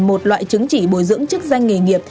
một loại chứng chỉ bồi dưỡng chức danh nghề nghiệp